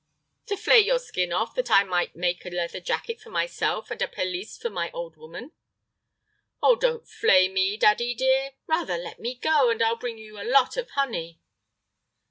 "To flay your skin off, that I may make a leather jacket for myself and a pelisse for my old woman." "Oh, don't flay me, daddy dear! Rather let me go, and I'll bring you a lot of honey."